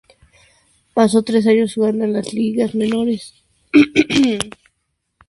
Pasó tres años jugando en las ligas menores.